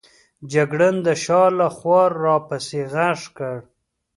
جګړن د شا له خوا را پسې ږغ کړل.